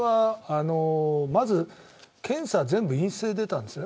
まず検査は全部陰性が出たんですよね。